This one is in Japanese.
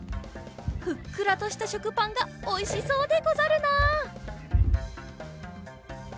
ふっくらとしたしょくパンがおいしそうでござるな。